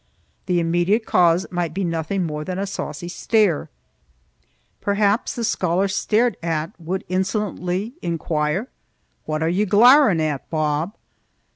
The immediate cause might be nothing more than a saucy stare. Perhaps the scholar stared at would insolently inquire, "What are ye glowerin' at, Bob?"